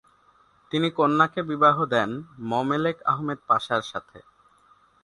তিনি কন্যাকে বিবাহ দেন মমেলেক আহমেদ পাশার সাথে।